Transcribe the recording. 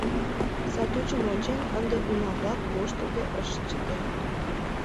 Сатучым ончен, ынде уна-влак воштылде ышт чыте.